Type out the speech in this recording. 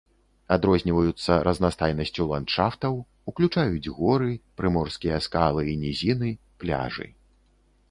Адрозніваюцца разнастайнасцю ландшафтаў, уключаюць горы, прыморскія скалы і нізіны, пляжы.